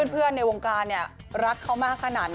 ในวงการรักเขามากขนาดนั้น